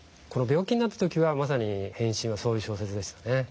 病気になった時はまさに「変身」はそういう小説でしたね。